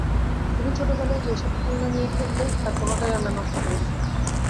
তুমি ছোটবেলায় যে সব খেলনা নিয়ে খেলতে তার কোনােটাই আমরা নষ্ট করিনি।